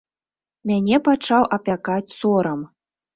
Мяне пачаў апякаць сорам.